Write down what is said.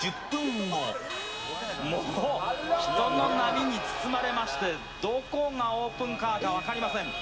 もう、人の波に包まれまして、どこがオープンカーか分かりません。